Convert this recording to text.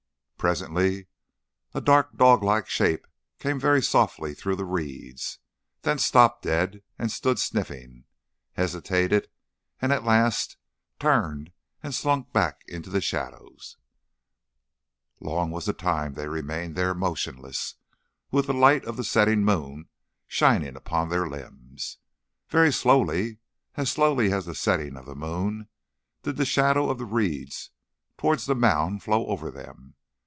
Presently a dark dog like shape came very softly through the reeds. Then stopped dead and stood sniffing, hesitated, and at last turned and slunk back into the shadows. Long was the time they remained there motionless, with the light of the setting moon shining on their limbs. Very slowly, as slowly as the setting of the moon, did the shadow of the reeds towards the mound flow over them.